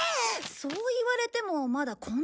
そう言われてもまだこんなに注文が。